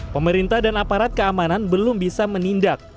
pemerintah dan aparat keamanan belum bisa menindak